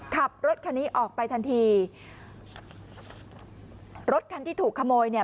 ขับรถคันนี้ออกไปทันทีรถคันที่ถูกขโมยเนี่ย